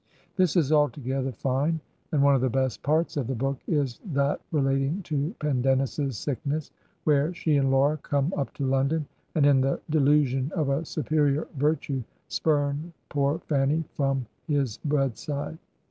This is altogether fine, and one of the best parts of the book is that relating to Pendennis's sickness, where she and Laura come up to London, and in the delusion of a superior virtue spurn poor Fanny from his bedside.